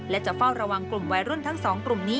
และจะเฝ้าระวังกลุ่มวัยรุ่นทั้งสองกลุ่มนี้